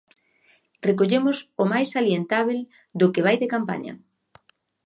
Recollemos o máis salientábel do que vai de campaña.